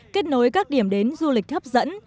kết nối các điểm đến du lịch hấp dẫn